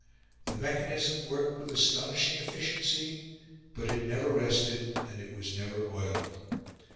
The mechanism worked with astonishing efficiency, but it never rested and it was never oiled.